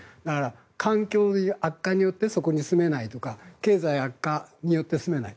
環境の悪化によってそこに住めないとか経済悪化によって住めない。